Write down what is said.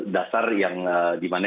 dasar yang dimana